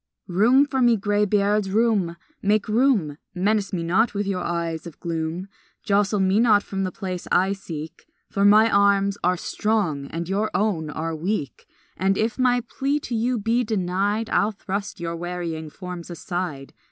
Room for me, graybeards, room, make room! Menace me not with your eyes of gloom; Jostle me not from the place I seek, For my arms are strong and your own are weak, And if my plea to you be denied I'll thrust your wearying forms aside.